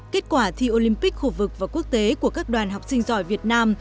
kết quả thi olympic khu vực và quốc tế của các đoàn học sinh giỏi việt nam